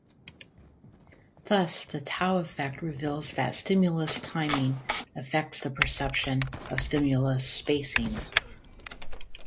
Thus, the tau effect reveals that stimulus timing affects the perception of stimulus spacing.